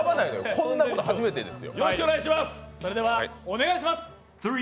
こんなこと初めてですよ。